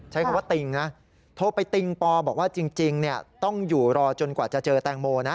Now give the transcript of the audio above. ใช้คำว่าติงนะโทรไปติงปอบอกว่าจริงต้องอยู่รอจนกว่าจะเจอแตงโมนะ